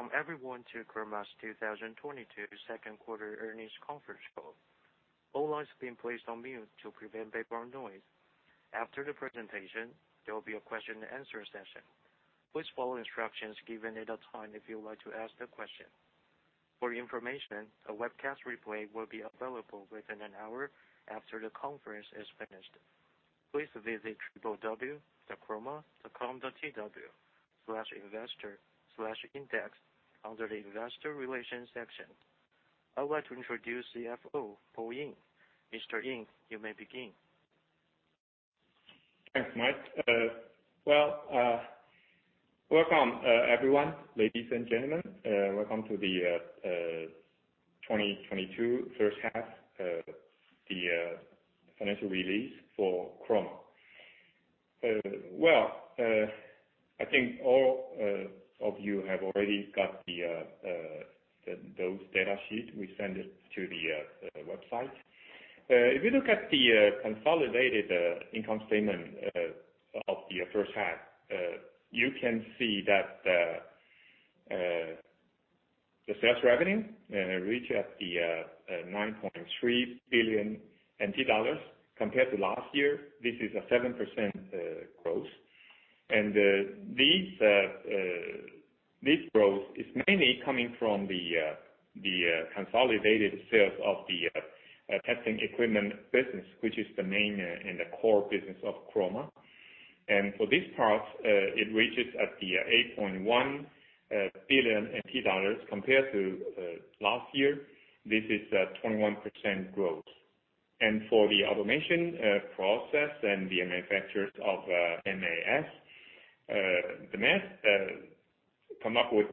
Welcome everyone to Chroma's 2022 second quarter earnings conference call. All lines have been placed on mute to prevent background noise. After the presentation, there will be a question and answer session. Please follow instructions given at that time if you would like to ask a question. For your information, a webcast replay will be available within an hour after the conference is finished. Please visit www.chroma.com.tw/investor/index under the Investor Relations section. I would like to introduce CFO Paul Ying. Mr. Ying, you may begin. Thanks, Mike. Well, welcome everyone, ladies and gentlemen, welcome to the 2022 first half financial release for Chroma. Well, I think all of you have already got the those data sheet we send it to the website. If you look at the consolidated income statement of the first half, you can see that the sales revenue reach at the 9.3 billion NT dollars compared to last year. This is a 7% growth. This growth is mainly coming from the consolidated sales of the testing equipment business, which is the main and the core business of Chroma. For this part, it reaches 8.1 billion NT dollars compared to last year. This is a 21% growth. For the automation process and the manufacturing of MAS, the MAS come up with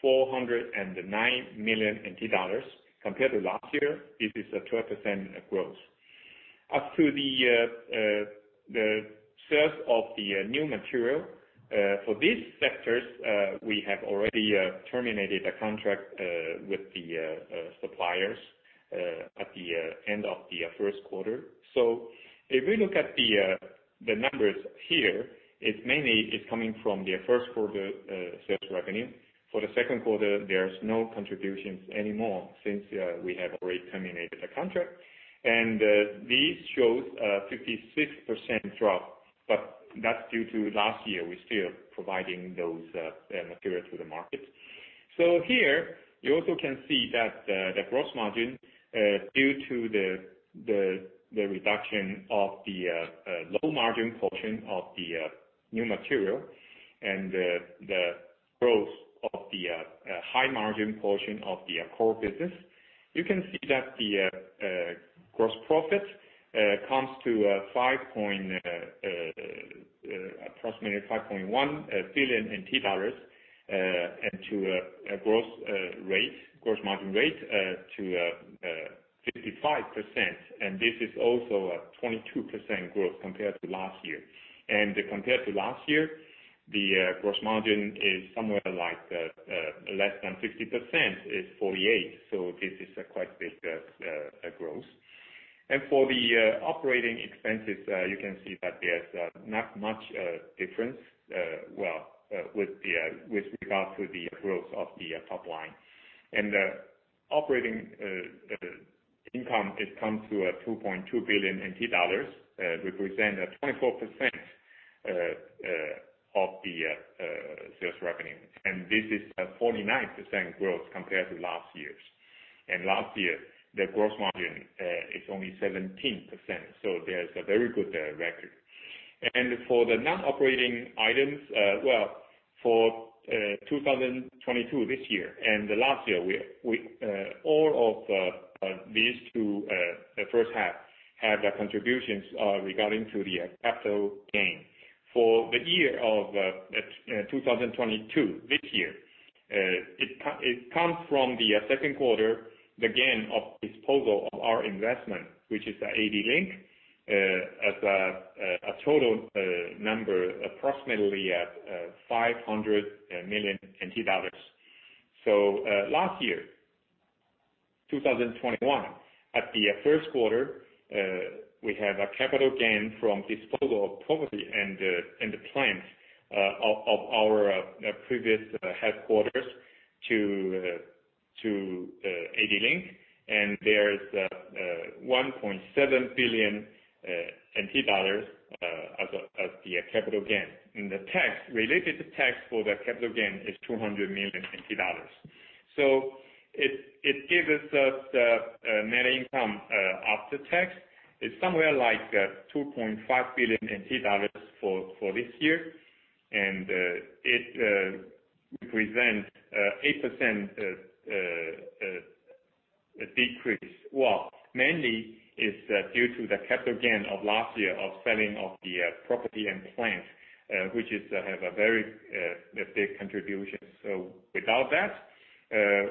409 million NT dollars compared to last year. This is a 12% growth. As to the sales of the new material for these sectors, we have already terminated a contract with the suppliers at the end of the first quarter. If we look at the numbers here, it mainly is coming from the first quarter sales revenue. For the second quarter, there's no contributions anymore since we have already terminated the contract. This shows a 56% drop, but that's due to last year, we still providing those material to the market. Here you also can see that the gross margin due to the reduction of the low margin portion of the new material and the growth of the high margin portion of the core business. You can see that the gross profit comes to approximately 5.1 billion NT dollars, and to a gross rate, gross margin rate to 55%. This is also a 22% growth compared to last year. Compared to last year, the gross margin is somewhere like less than 50%. It's 48, so this is a quite big growth. For the operating expenses, you can see that there's not much difference, well, with regard to the growth of the top line. Operating income has come to NT$ 2.2 billion, represent 24% of the sales revenue. This is a 49% growth compared to last year's. Last year, the gross margin is only 17%, so there's a very good record. For the non-operating items, well, for 2022 this year and the last year, we all of these two first half have contributions regarding to the capital gain. For the year of 2022, this year, it comes from the second quarter, the gain of disposal of our investment, which is ADLINK, as a total number approximately at 500 million NT dollars. Last year, 2021, at the first quarter, we have a capital gain from disposal of property and plant of our previous headquarters to ADLINK. There's TWD 1.7 billion as the capital gain. The related tax for the capital gain is 200 million. It gives us the net income after tax. It's somewhere like 2.5 billion NT dollars for this year. It represents 8% decrease. Well, mainly it's due to the capital gain of last year of selling of the property and plant, which has a very big contribution. Without that,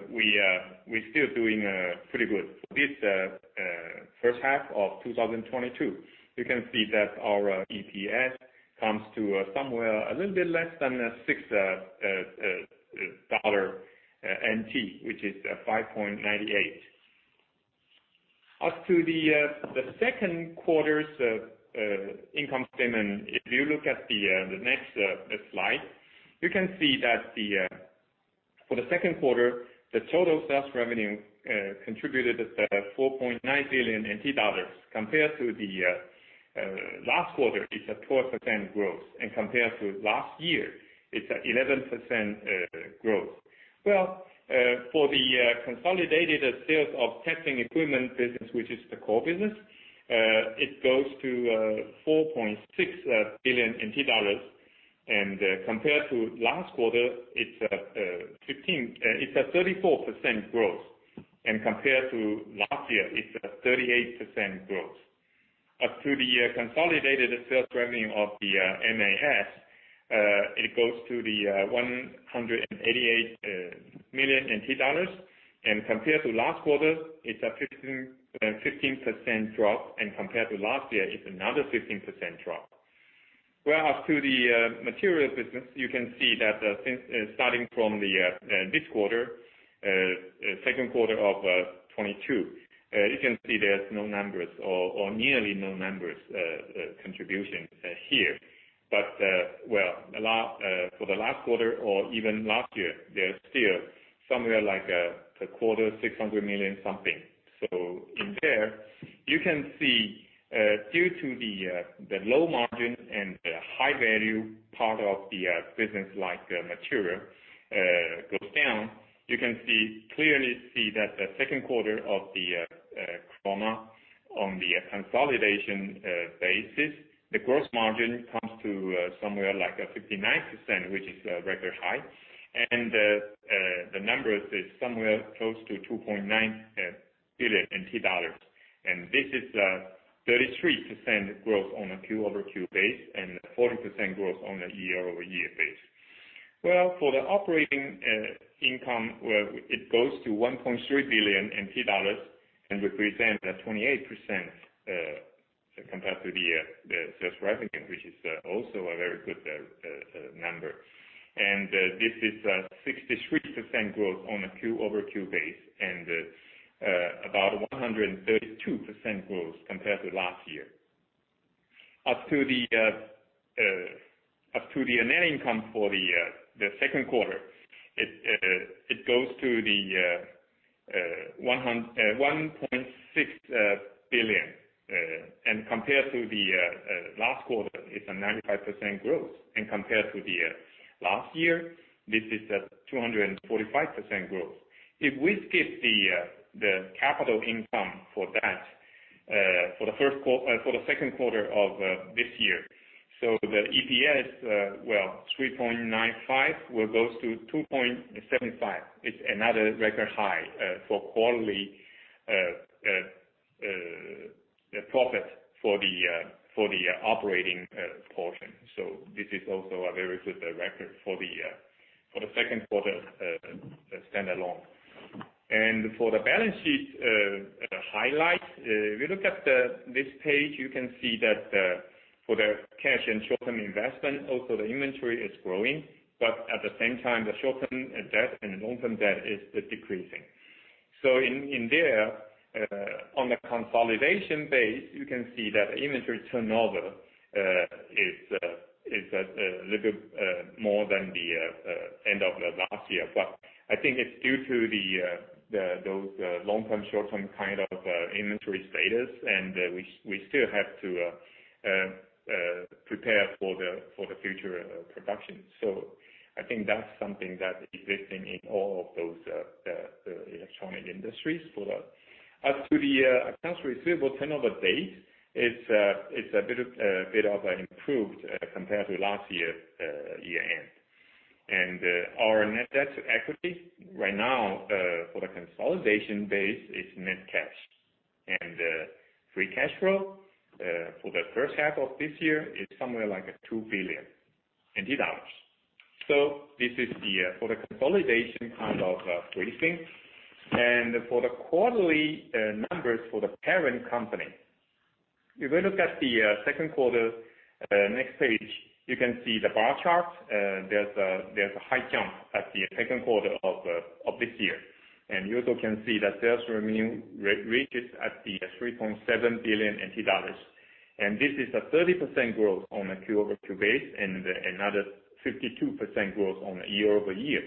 we're still doing pretty good. This first half of 2022, you can see that our EPS comes to somewhere a little bit less than 6 dollar, which is 5.98. As to the second quarter's income statement, if you look at the next slide, you can see that for the second quarter, the total sales revenue contributed at 4.9 billion NT dollars compared to the last quarter, it's a 12% growth. Compared to last year, it's 11% growth. For the consolidated sales of testing equipment business, which is the core business, it goes to 4.6 billion NT dollars. Compared to last quarter, it's a 34% growth. Compared to last year, it's a 38% growth. As to the consolidated sales revenue of the MAS, it goes to 188 million NT dollars. Compared to last quarter, it's a 15% drop, and compared to last year, it's another 15% drop. Well, as to the material business, you can see that since starting from this quarter, second quarter of 2022, you can see there's no numbers or nearly no numbers contribution here. Well, a lot for the last quarter or even last year, there's still somewhere like about 600 million something. In there, you can see due to the low margin and the high value part of the business like material goes down, you can see clearly see that the second quarter of the Chroma on the consolidation basis, the gross margin comes to somewhere like 59%, which is a record high. The numbers is somewhere close to 2.9 billion NT dollars. This is 33% growth on a quarter-over-quarter basis and 40% growth on a year-over-year basis. For the operating income, it goes to 1.3 billion NT dollars and represents a 28%, compared to the sales revenue, which is also a very good number. This is 63% growth on a quarter-over-quarter basis and about 132% growth compared to last year. As to the net income for the second quarter, it goes to TWD 1.6 billion. Compared to the last quarter, it's a 95% growth. Compared to the last year, this is a 245% growth. If we skip the capital income for that, for the second quarter of this year. The EPS 3.95 will go to 2.75. It's another record high for quarterly profit for the operating portion. This is also a very good record for the second quarter standalone. For the balance sheet highlight, if you look at this page, you can see that for the cash and short-term investment, also the inventory is growing, but at the same time, the short-term debt and long-term debt is decreasing. On the consolidated basis, you can see that inventory turnover is at little more than the end of the last year. I think it's due to the those long-term short-term kind of inventory status, and we still have to prepare for the future production. I think that's something that exists in all of those electronic industries. As to the accounts receivable turnover data, it's a bit improved compared to last year end. Our net debt to equity right now for the consolidated basis is net cash. Free cash flow for the first half of this year is somewhere like 2 billion NT dollars. This is the consolidation kind of briefing. For the quarterly numbers for the parent company, if you look at the second quarter, next page, you can see the bar chart. There's a high jump at the second quarter of this year. You also can see that sales revenue reaches 3.7 billion NT dollars. This is a 30% growth on a Q-over-Q base and another 52% growth on a year-over-year.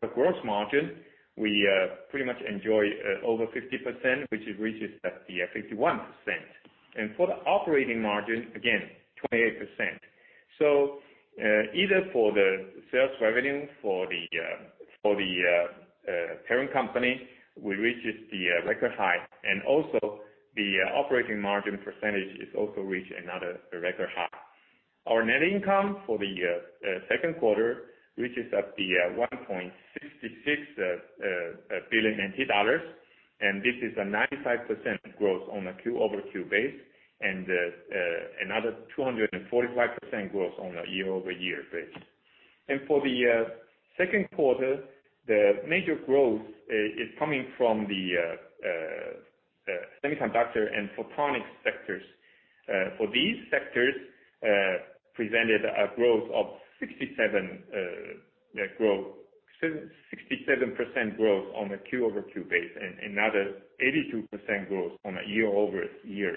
For gross margin, we pretty much enjoy over 50%, which it reaches at 51%. For the operating margin, again, 28%. Either for the sales revenue, for the parent company, we reached the record high. Also, the operating margin percentage is also reached another record high. Our net income for the second quarter, which is at the 1.66 billion NT dollars, and this is a 95% growth on a Q-over-Q base and another 245% growth on a year-over-year base. For the second quarter, the major growth is coming from the semiconductor and photonics sectors. For these sectors, presented a growth of 67% on a Q-over-Q base and another 82% growth on a year-over-year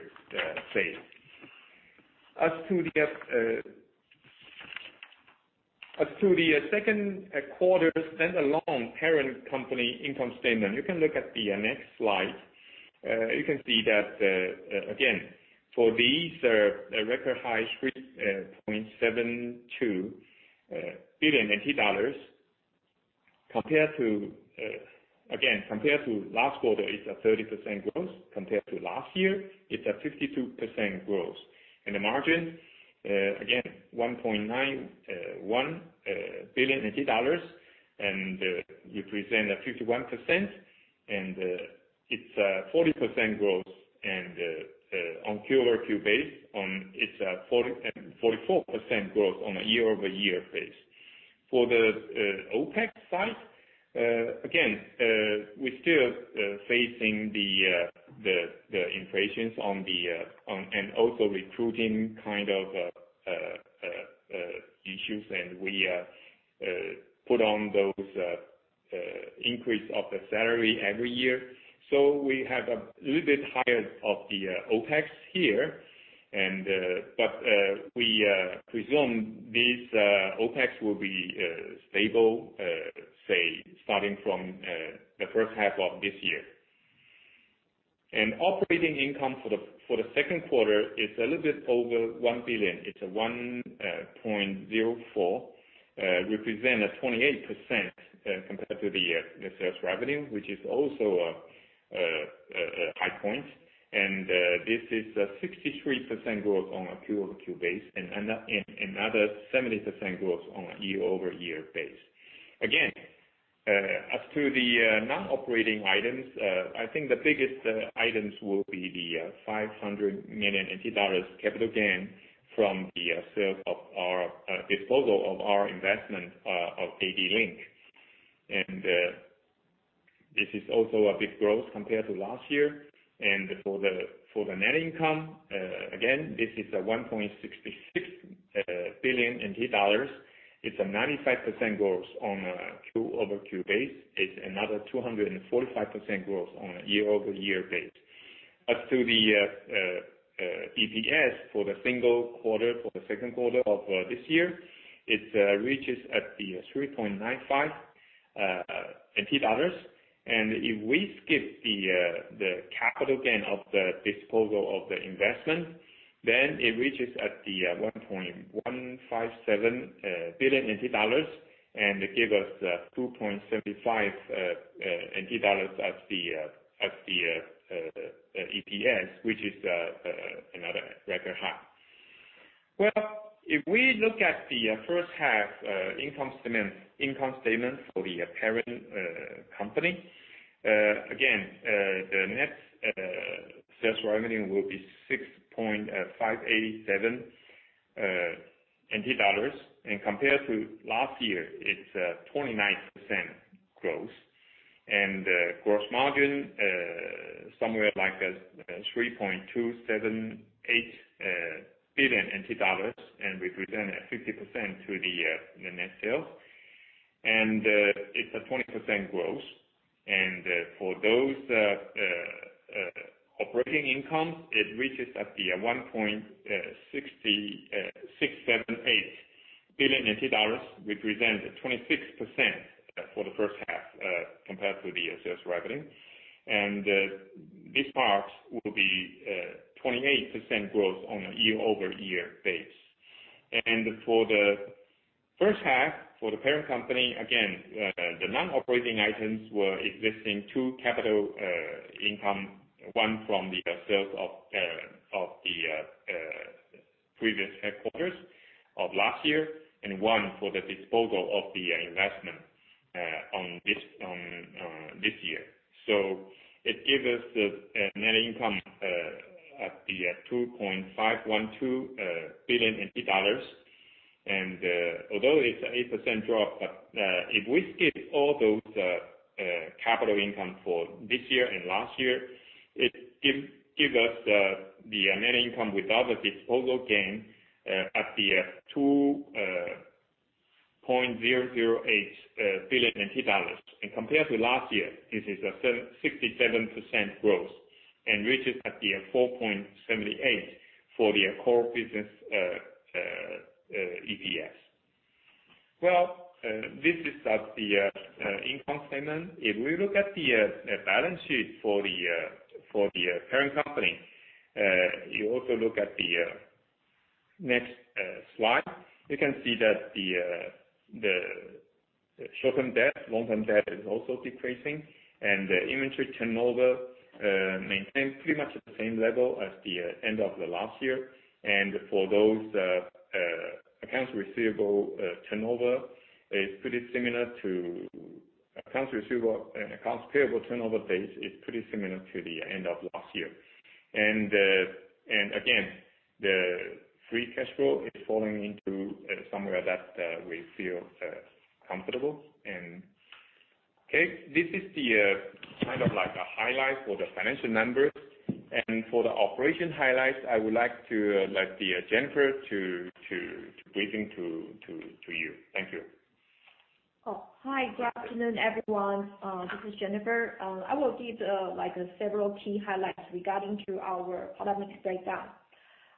sales. As to the second quarter stand-alone parent company income statement, you can look at the next slide. You can see that, again, for these record high 3.72 billion NT dollars compared to last quarter, it's a 30% growth. Compared to last year, it's a 52% growth. The margin, again, 1.91 billion dollars and represent a 51%, and it's 40% growth and on QoQ basis it's 44% growth on a year-over-year basis. For the OpEx side, again, we're still facing the inflation on the and also recruiting kind of issues. We put on those increase of the salary every year. We have a little bit higher OpEx here, but we presume these OpEx will be stable, say starting from the first half of this year. Operating income for the second quarter is a little bit over 1 billion. It's 1.04, represent a 28% compared to the sales revenue, which is also a high point. This is a 63% growth on a QoQ basis and another 70% growth on a year-over-year basis. As to the non-operating items, I think the biggest items will be the 500 million NT dollars capital gain from the sales of our disposal of our investment of ADLINK. This is also a big growth compared to last year. For the net income, again, this is 1.66 billion NT dollars. It's a 95% growth on a quarter-over-quarter basis. It's another 245% growth on a year-over-year basis. As to the EPS for the single quarter, for the second quarter of this year, it reaches at the 3.95 NT dollars. If we skip the capital gain of the disposal of the investment, then it reaches at the 1.157 billion NT dollars and give us 2.75 NT dollars as the EPS, which is another record high. Well, if we look at the first half income statement for the parent company, again, the net sales revenue will be 6.587 billion NT dollars. Compared to last year, it's 29% growth. Gross margin somewhere like a 3.278 billion NT dollars, and we return 50% to the net sales. It's a 20% growth. For the operating income, it reaches 1.6678 billion NT dollars, represent 26% for the first half compared to the sales revenue. This part will be 28% growth on a year-over-year basis. For the first half, for the parent company, again, the non-operating items were two capital incomes, one from the sales of the previous headquarters of last year, and one for the disposal of the investment on this year. It gives us the net income at 2.512 billion dollars. Although it's an 8% drop, if we skip all those capital income for this year and last year, it gives us the net income without the disposal gain at 2.008 billion dollars. Compared to last year, this is a 67% growth and reaches at the 4.78 for the core business EPS. Well, this is at the income statement. If we look at the balance sheet for the parent company, you also look at the next slide. You can see that the short-term debt, long-term debt is also decreasing. The inventory turnover maintain pretty much the same level as the end of the last year. For those accounts receivable turnover is pretty similar to accounts receivable and accounts payable turnover days is pretty similar to the end of last year. Again, the free cash flow is falling into somewhere that we feel comfortable and Okay, this is the kind of like a highlight for the financial numbers. For the operation highlights, I would like to let Jennifer do the briefing to you. Thank you. Good afternoon, everyone. This is Jennifer. I will give, like, the several key highlights regarding our product breakdown.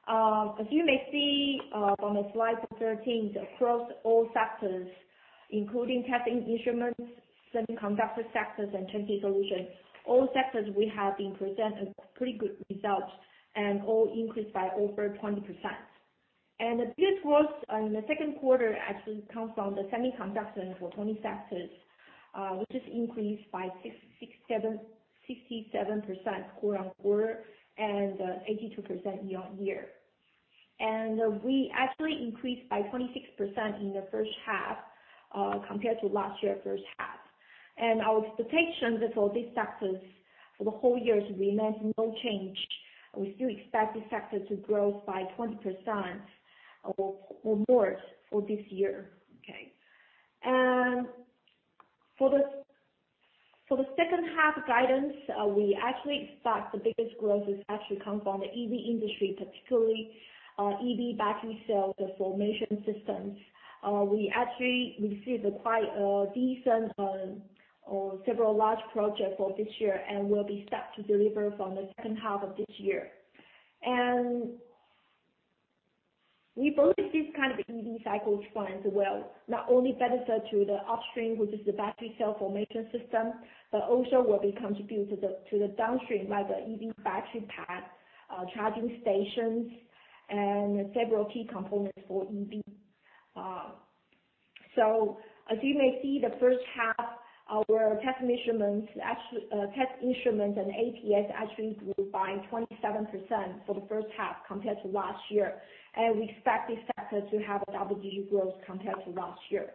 As you may see, on the slide 13, across all sectors, including testing instruments, semiconductor and photonics sectors, and turnkey solution, all sectors we have presented a pretty good result and all increased by over 20%. The biggest growth in the second quarter actually comes from the semiconductor and photonics sectors, which has increased by 67% quarter-on-quarter and 82% year-on-year. We actually increased by 26% in the first half, compared to last year first half. Our expectation that for this sector for the whole year remains unchanged. We still expect this sector to grow by 20% or more for this year. Okay. For the second half guidance, we actually expect the biggest growth is actually come from the EV industry, particularly, EV battery cell, the formation systems. We actually received quite a decent, or several large projects for this year, and will be set to deliver from the second half of this year. We believe this kind of EV cycle as well, not only benefit to the upstream, which is the battery cell formation system, but also will be contribute to the downstream, like the EV battery pack, charging stations and several key components for EV. So as you may see the first half, our test and measurement instruments and ATS actually grew by 27% for the first half compared to last year. We expect this sector to have a double-digit growth compared to last year.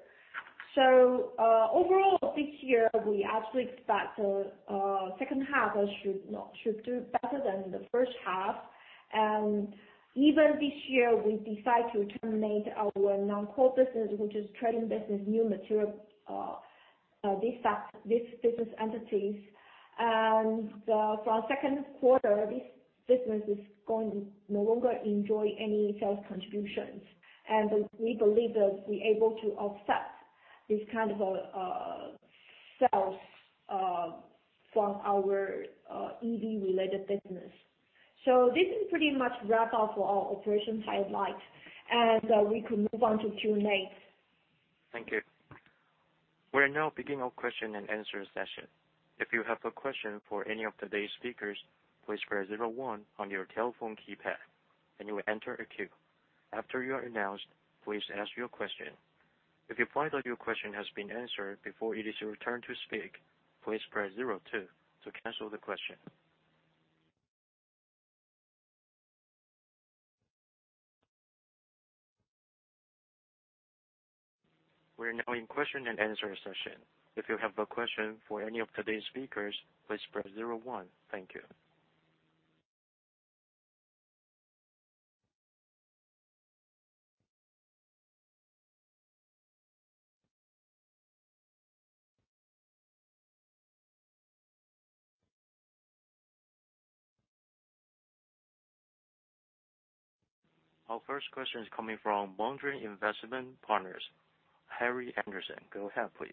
Overall this year, we actually expect the second half should do better than the first half. Even this year we decide to terminate our non-core business, which is trading business, new material, this business entities. For our second quarter, this business is going no longer enjoy any sales contributions. We believe that we're able to offset this kind of sales from our EV related business. This is pretty much wrap up for our operations highlight, and we could move on to Q&A. Thank you. We're now beginning our question and answer session. If you have a question for any of today's speakers, please press zero-one on your telephone keypad, and you will enter a queue. After you are announced, please ask your question. If you find that your question has been answered before it is your turn to speak, please press zero-two to cancel the question. We're now in question and answer session. If you have a question for any of today's speakers, please press zero-one. Thank you. Our first question is coming from Mondrian Investment Partners, Harry Anderson. Go ahead, please.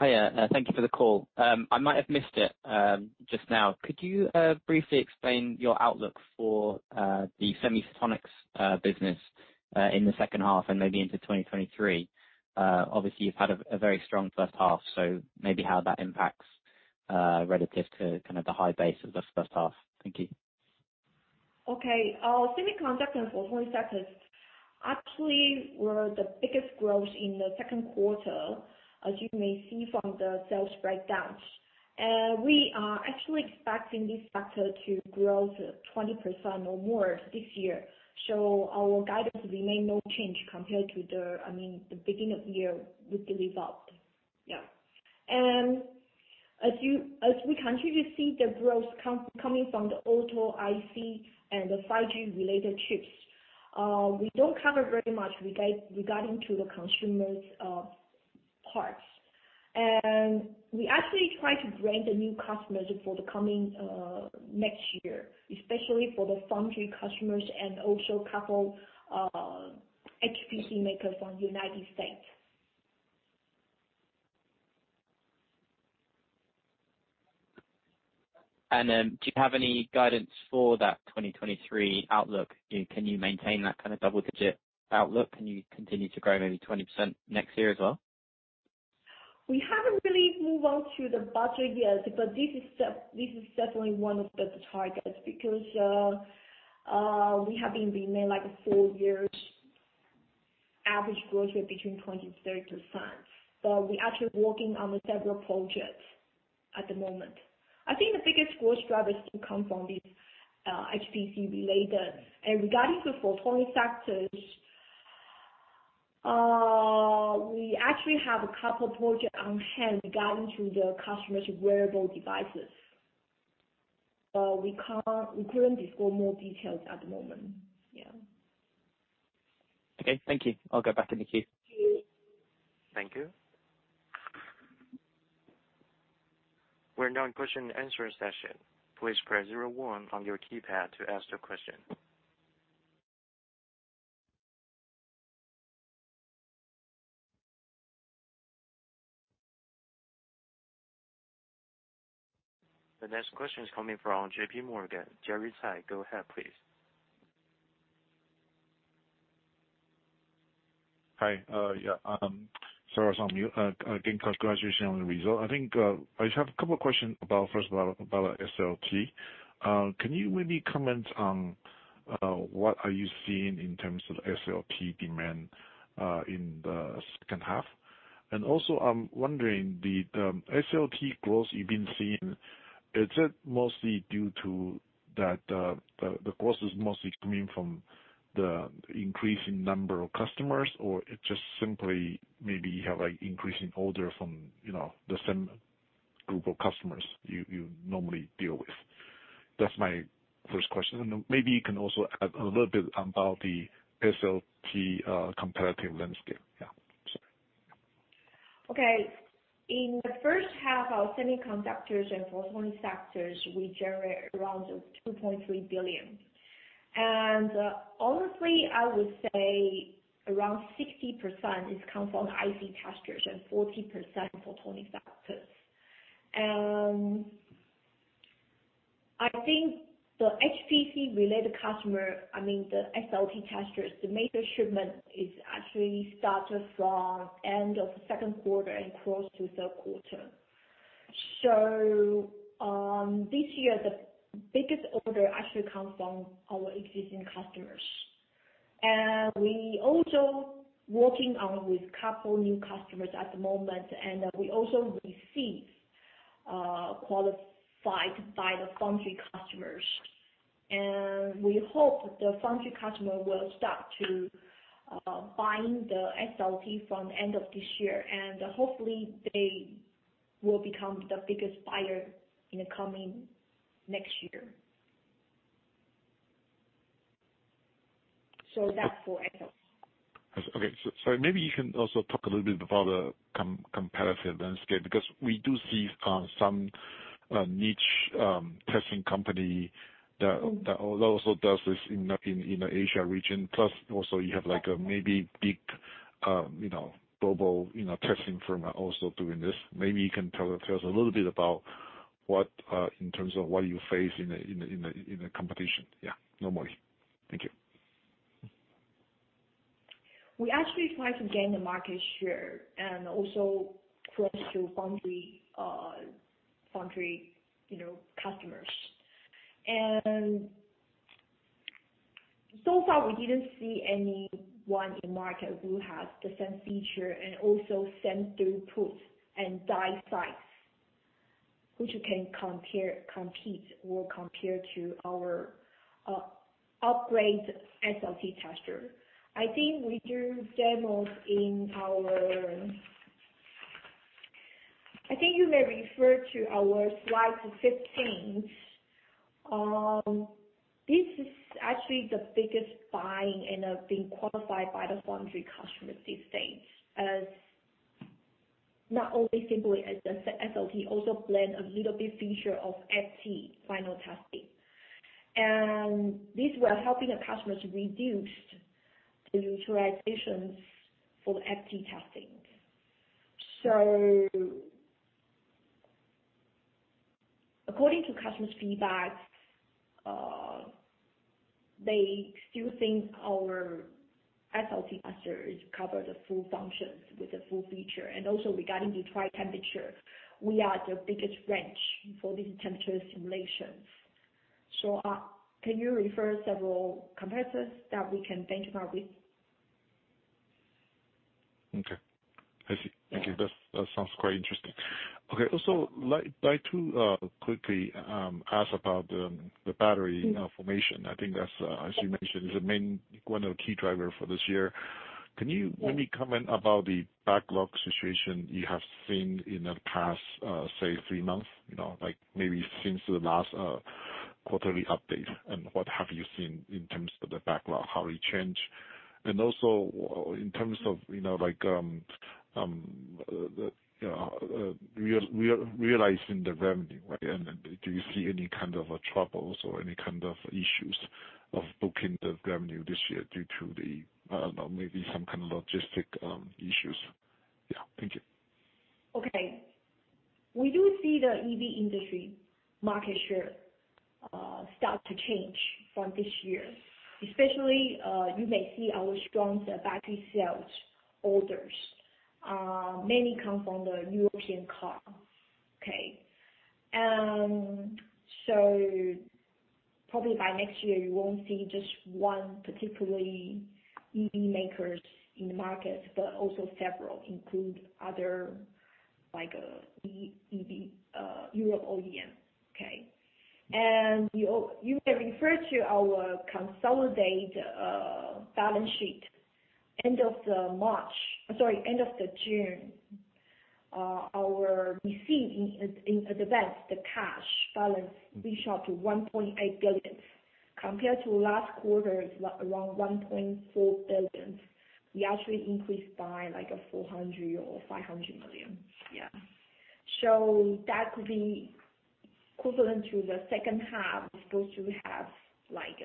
Hi, thank you for the call. I might have missed it just now. Could you briefly explain your outlook for the semiconductor and photonics business in the second half and maybe into 2023? Obviously you've had a very strong first half, so maybe how that impacts relative to kind of the high base of the first half. Thank you. Okay. Our semiconductor and photonics sectors actually were the biggest growth in the second quarter, as you may see from the sales breakdowns. We are actually expecting this sector to grow to 20% or more this year. Our guidance remain no change compared to the, I mean, the beginning of year with the live op. As we continue to see the growth coming from the Auto IC and the 5G related chips, we don't cover very much regarding to the consumers parts. We actually try to bring the new customers for the coming next year, especially for the foundry customers and also couple HPC makers from United States. Do you have any guidance for that 2023 outlook? Can you maintain that kind of double-digit outlook? Can you continue to grow maybe 20% next year as well? We haven't really moved on to the budget yet, but this is definitely one of the targets because we have remained like four years average growth rate between 20%-30%. We're actually working on several projects at the moment. I think the biggest growth drivers to come from this HPC-related. Regarding the photonics sectors, we actually have a couple projects on hand regarding to the customers wearable devices. We couldn't disclose more details at the moment. Yeah. Okay. Thank you. I'll go back in the queue. Thank you. We're now in question and answer session. Please press zero-one on your keypad to ask your question. The next question is coming from JPMorgan, Jerry Cai. Go ahead, please. Hi. Sarah, it's on mute. Again, congratulations on the result. I think I just have a couple questions about first of all, about SLT. Can you maybe comment on what are you seeing in terms of SLT demand in the second half? I'm wondering, the SLT growth you've been seeing, is it mostly due to that the cost is mostly coming from the increase in number of customers, or it just simply maybe you have like increase in order from you know the same group of customers you normally deal with? That's my first question. Maybe you can also add a little bit about the SLT competitive landscape. Yeah. Okay. In the first half, our semiconductors and photonic sectors, we generate around 2.3 billion. Honestly, I would say around 60% is coming from IC testers and 40% photonic sectors. I think the HPC related customer, I mean, the SLT testers, the major shipment is actually started from end of second quarter and close to third quarter. This year, the biggest order actually comes from our existing customers. We also working with couple new customers at the moment, and we also received qualification by the foundry customers. We hope the foundry customer will start to buying the SLT from end of this year, and hopefully they will become the biggest buyer in the coming next year. That's for SLT. Okay. Sorry, maybe you can also talk a little bit about the competitive landscape, because we do see some niche testing company that also does this in the Asia region, plus also you have, like, a maybe big, you know, global, you know, testing firm also doing this. Maybe you can tell us a little bit about what in terms of what you face in the competition. Yeah. Normally. Thank you. We actually try to gain the market share and also close to foundry customers. So far we didn't see anyone in the market who has the same feature and also same throughputs and die sizes, which you can compete or compare to our upgrade SLT tester. I think we do demos. I think you may refer to our Slide 15. This is actually the biggest buy-in and being qualified by the foundry customers these days, as not only simply as the SLT, also blend a little bit feature of FT, final testing. This will helping the customers reduce the utilizations for the FT testing. According to customers' feedback, they still think our SLT tester is cover the full functions with the full feature. Also regarding the tri-temperature, we are the biggest range for this temperature simulations. Can you refer several competitors that we can benchmark with? Okay. I see. Thank you. That sounds quite interesting. Okay. Also like to quickly ask about the battery formation. I think that's, as you mentioned, is the main one of the key driver for this year. Can you maybe comment about the backlog situation you have seen in the past, say three months, you know, like, maybe since the last quarterly update, and what have you seen in terms of the backlog? How it change? And also in terms of, you know, like, you know, realizing the revenue, right? And do you see any kind of troubles or any kind of issues of booking the revenue this year due to the, I don't know, maybe some kind of logistics issues? Yeah. Thank you. We do see the EV industry market share start to change from this year, especially. You may see our strong battery cells orders mainly come from the European car. Probably by next year you won't see just one particularly EV makers in the market, but also several, include other, like, EV, Europe OEM. You may refer to our consolidated balance sheet, end of the June. Our received in advance the cash balance reaches 1.8 billion. Compared to last quarter, it's around 1.4 billion. We actually increased by like 400-500 million. That could be equivalent to the second half. We're supposed to have like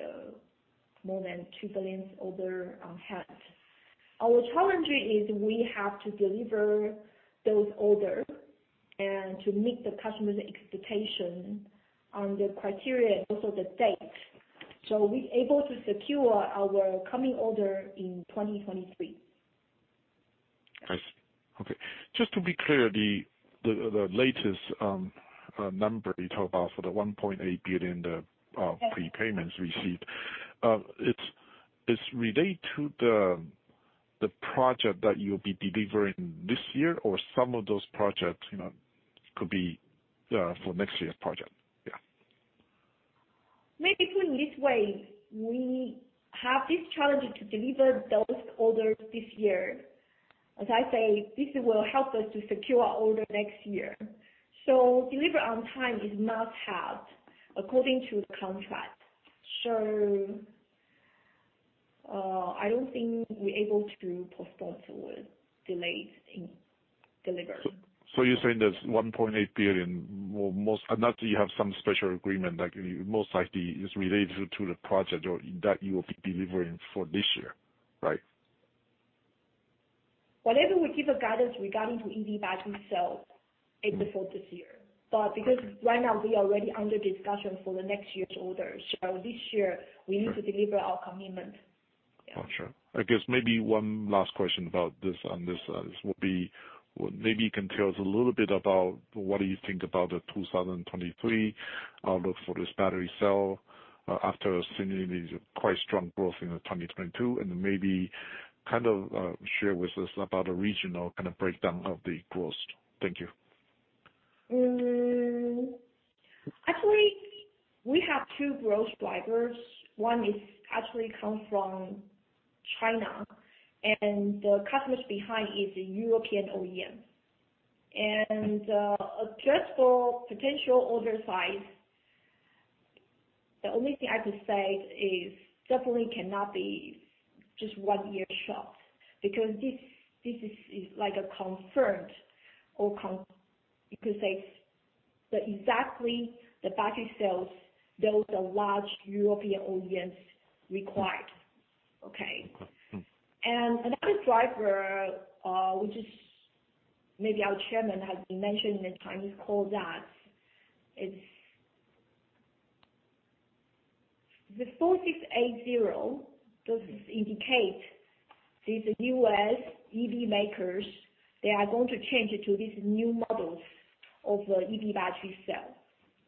more than 2 billion order on hand. Our challenge is we have to deliver those order and to meet the customer's expectation on the criteria and also the date. We're able to secure our coming order in 2023. I see. Okay. Just to be clear, the latest number you talk about for the 1.8 billion, the Yes. Prepayments received. It's related to the project that you'll be delivering this year or some of those projects, you know, could be for next year's project? Yeah. Maybe put it this way, we have this challenge to deliver those orders this year. As I say, this will help us to secure order next year. Deliver on time is must have according to the contract. I don't think we're able to postpone or delay in delivery. You're saying this 1.8 billion will, unless you have some special agreement, like most likely is related to the project or that you will be delivering for this year, right? Whatever we give a guidance regarding to EV battery cell, it default this year. Because right now we are already under discussion for the next year's orders. This year we need to deliver our commitment. Yeah. Oh, sure. I guess maybe one last question about this. Maybe you can tell us a little bit about what you think about the 2023 outlook for this battery cell, after seeing this quite strong growth in the 2022, and maybe kind of share with us about the regional kind of breakdown of the growth. Thank you. Actually, we have two growth drivers. One is actually come from China and the customers behind is European OEM. Just for potential order size, the only thing I could say is definitely cannot be just one year shop. Because this is like a confirmed, you could say the exact battery cells those are large European OEMs required. Okay? Okay. Another driver, which is maybe our chairman has mentioned in the Chinese call. The 4680 does indicate these US EV makers, they are going to change to these new models of the EV battery cell.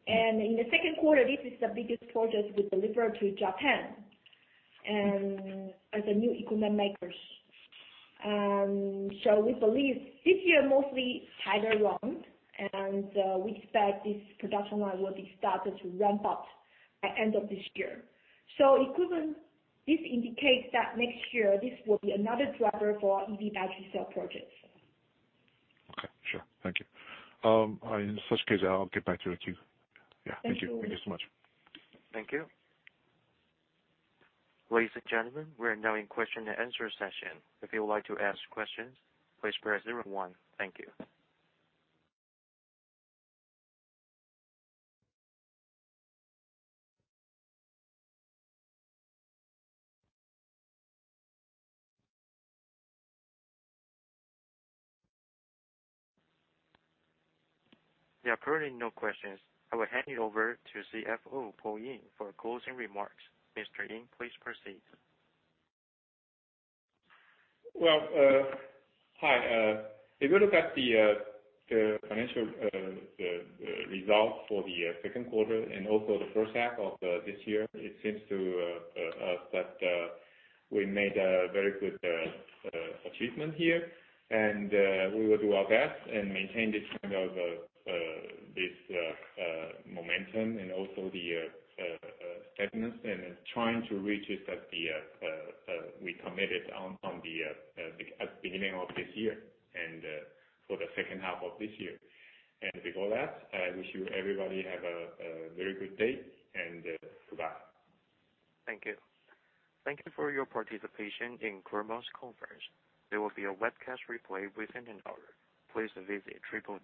In the second quarter, this is the biggest project we deliver to Japan, and as a new equipment makers. We believe this year mostly tight around, and we expect this production line will be started to ramp up at end of this year. Equivalent, this indicates that next year this will be another driver for EV battery cell projects. Okay. Sure. Thank you. In such case, I'll get back to you too. Yeah. Thank you. Thank you. Thank you so much. Thank you. Ladies and gentlemen, we are now in question and answer session. If you would like to ask questions, please press zero one. Thank you. There are currently no questions. I will hand it over to CFO Paul Ying for closing remarks. Mr. Ying, please proceed. Well, hi. If you look at the financial result for the second quarter and also the first half of this year, it seems to us that we made a very good achievement here, and we will do our best and maintain this kind of momentum and also the steadiness and trying to reach that we committed at the beginning of this year and for the second half of this year. Before that, I wish everybody have a very good day and goodbye. Thank you. Thank you for your participation in Chroma's conference. There will be a webcast replay within an hour. Please visit www.